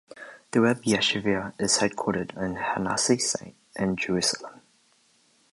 The Web Yeshiva is headquartered on HaNassi Saint, in Jerusalem.